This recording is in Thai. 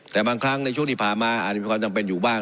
แต่บางครั้งในช่วงที่ผ่านมาอาจจะมีความจำเป็นอยู่บ้าง